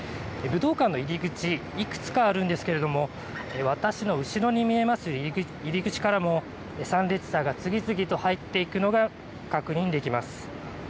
武道館の入り口、いくつかあるんですけれども私の後ろに見えます入り口からも参列者が次々と入っていくのが確認できます。